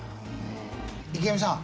池上さん。